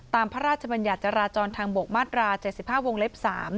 พระราชบัญญัติจราจรทางบกมาตรา๗๕วงเล็บ๓